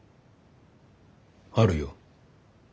あるよ。